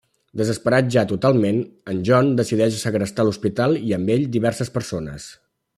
Desesperat ja totalment, en John decideix segrestar l'hospital i amb ell, diverses persones.